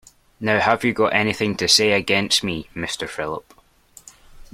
Now have you got anything to say against me, Mr Philip.